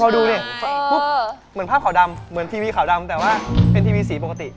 พอดูดิปุ๊บเหมือนภาพขาวดำเหมือนทีวีขาวดำแต่ว่าเป็นทีวีสีปกติ